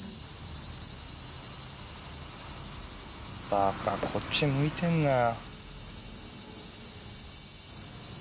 馬鹿こっち向いてんなよ。